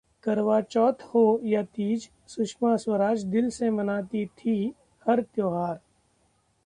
करवाचौथ हो या तीज, सुषमा स्वराज दिल से मनाती थीं हर त्योहार